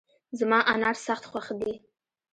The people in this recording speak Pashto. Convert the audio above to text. زما انار سخت خوښ دي